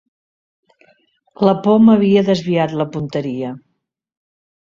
La por m'havia desviat la punteria.